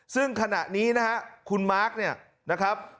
ซึ่งขณะนี้นะฮะคุณมาร์คเนี่ยนะครับ